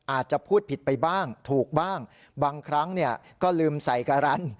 อาจจะพูดผิดไปบ้างถูกบ้างบางครั้งก็ลืมใส่การัน